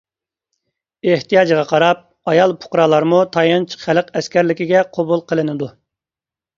ئېھتىياجغا قاراپ، ئايال پۇقرالارمۇ تايانچ خەلق ئەسكەرلىكىگە قوبۇل قىلىنىدۇ.